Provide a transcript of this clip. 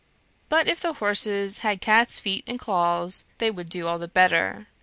But if the horses had cats' feet and claws, they would do all the better.